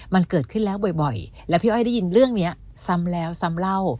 มันเกิดขึ้นแล้วบ่อยและพี่อ้อยได้ยินเรื่องนี้ซ้ำแล้วซ้ำเล่า